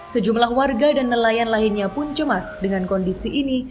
sejumlah warga dan nelayan lainnya pun cemas dengan kondisi ini